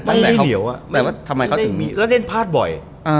ไม่ได้เหนียวแล้วเล่นพลาดบ่อย